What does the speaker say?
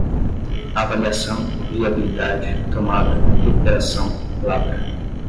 avaliação, viabilidade, tomada, recuperação, lavra